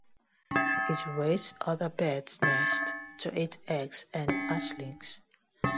It raids other birds' nests to eat eggs and hatchlings.